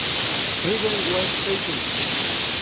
Freedom was taken.